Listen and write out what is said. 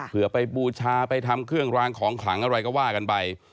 เพื่อไปบูชาไปทำเครื่องรางของขลังอะไรก็ว่ากันไป